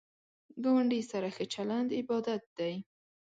ګاونډی سره ښه چلند عبادت دی